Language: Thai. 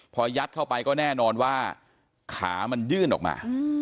พอยัดเข้าไปก็แน่นอนว่าขามันยื่นออกมา